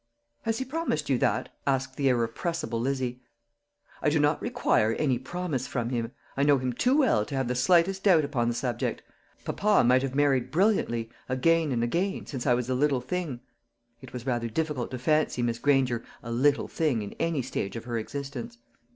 "Has he promised you that?" asked the irrepressible Lizzie. "I do not require any promise from him. I know him too well to have the slightest doubt upon the subject. Papa might have married brilliantly, again and again, since I was a little thing." (It was rather difficult to fancy Miss Granger a "little thing" in any stage of her existence.)